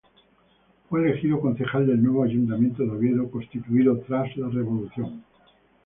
Fue elegido concejal del nuevo Ayuntamiento de Oviedo, constituido tras la Revolución.